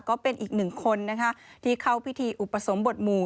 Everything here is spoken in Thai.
ก็เป็นอีกหนึ่งคนนะคะที่เข้าพิธีอุปสมบทหมู่